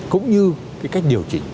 cũng như cách điều chỉnh